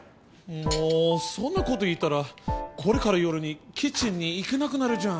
もうそんなこと言ったらこれから夜にキッチンに行けなくなるじゃん！